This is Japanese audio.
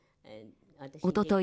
おととい